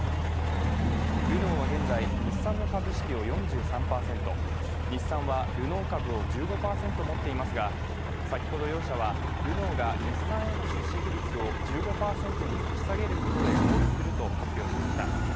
ルノーは現在、日産の株式を４３％、日産はルノー株を１５％持っていますが、先ほど両社はルノーが日産への出資比率を１５％に引き下げることで合意すると発表しました。